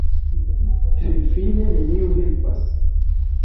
Finfine neniu helpas.